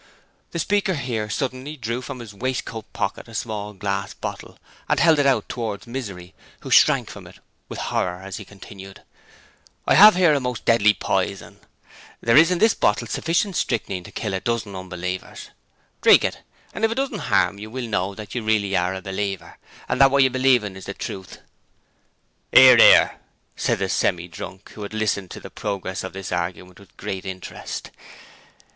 The speaker here suddenly drew from his waistcoat pocket a small glass bottle and held it out towards Misery, who shrank from it with horror as he continued: 'I have here a most deadly poison. There is in this bottle sufficient strychnine to kill a dozen unbelievers. Drink it! And if it doesn't harm you, we'll know that you really are a believer and that what you believe is the truth!' ''Ear, 'ear!' said the Semi drunk, who had listened to the progress of the argument with great interest.